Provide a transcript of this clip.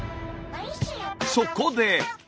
そこで。